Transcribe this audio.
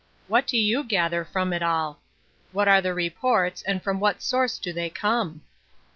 What do you gather from it all ? What are the reports, and from what source do they come